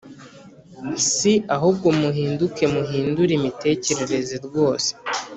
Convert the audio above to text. Si ahubwo muhinduke muhindure imitekerereze rwose